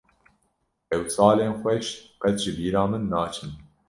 Ew salên xweş qet ji bîra min naçin.